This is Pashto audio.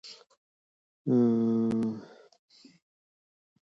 د مېړه لوز ګوره د ښځې ښایست د جنسیتي معیارونو توپیر ښيي